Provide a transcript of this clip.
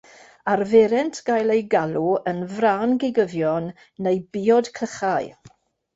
Arferent gael eu galw yn frân-gigyddion neu bïod-clychau.